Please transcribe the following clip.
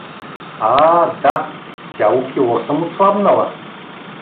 — А-а, да — цяло кило съм отслабнала.